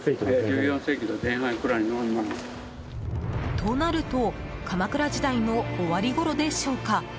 となると鎌倉時代の終わりごろでしょうか。